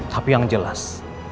tapi yang jelas